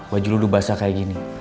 baju lu udah basah kayak gini